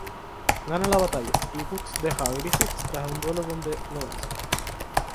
Ganan la batalla y Guts deja a Griffith tras un duelo donde lo vence.